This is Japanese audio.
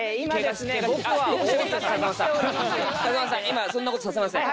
今そんなことさせません。